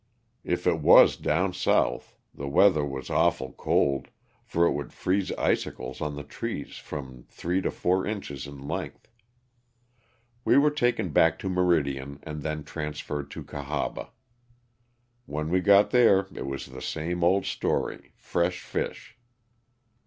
If it tuas down south the weather was awful cold, for it would freeze icicles on the trees from three to four inches in length. We were taken back to Meridian and then transferred to Cahaba. When we got there it was the same old story, "fresh fish.''